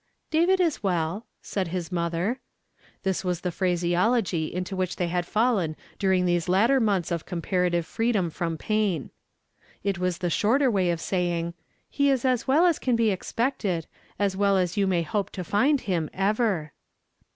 " David is well," said his mother. This was the phraseology into which tliey had fallen dur ing these later months of comparative freedom from pain. It was the shorter way of saying, " He is as well as can be expected; as well as you may hope to find him, ever."